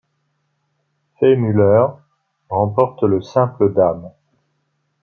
Fay Muller remporte le simple dames.